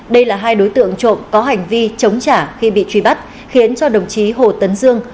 đây là hai đối tượng trộm có hành vi chống trả khi bị truy bắt khiến cho đồng chí hồ tấn dương